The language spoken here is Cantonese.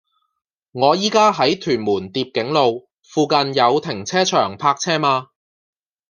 我依家喺屯門蝶景路，附近有停車場泊車嗎